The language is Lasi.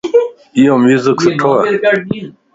ايو ميوزڪ سٺو ائي